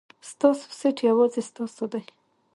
ستاسو سېټ یوازې ستاسو دی.